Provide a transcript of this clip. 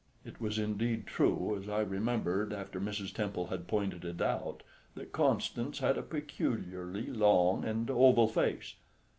It was indeed true, as I remembered after Mrs. Temple had pointed it out, that Constance had a peculiarly long and oval face.